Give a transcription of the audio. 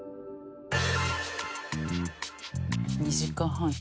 ２時間半。